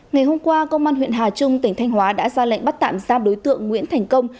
ngày hôm qua công an huyện hà trung tỉnh thanh hóa đã ra lệnh bắt tạm giam đối tượng nguyễn thành công